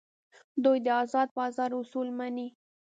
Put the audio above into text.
دوی د ازاد بازار اصول مني.